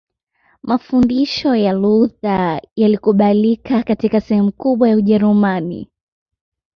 Mafundisho ya Luther yalikubalika katika sehemu kubwa ya Ujerumani